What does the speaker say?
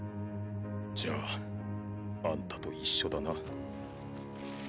じゃああんたと一緒だな。